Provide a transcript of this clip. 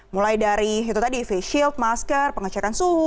mulai dari itu tadi face shield masker pengecekan suhu